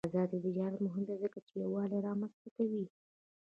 آزاد تجارت مهم دی ځکه چې یووالي رامنځته کوي.